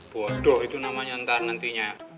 bodoh itu namanya entah nantinya